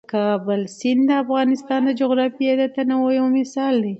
د کابل سیند د افغانستان د جغرافیوي تنوع یو مثال دی.